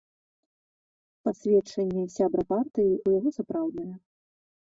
Пасведчанне сябра партыі ў яго сапраўднае.